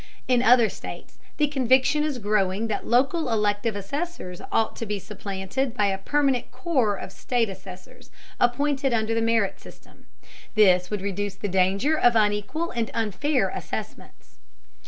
In other states the conviction is growing that local elective assessors ought to be supplanted by a permanent corps of state assessors, appointed under the merit system. This would reduce the danger of unequal and unfair assessments.